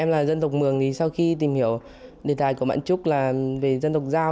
em là dân tộc mường thì sau khi tìm hiểu đề tài của bạn trúc là về dân tộc giao